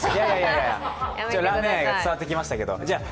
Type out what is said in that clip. ラーメン愛が伝わってきましたけど。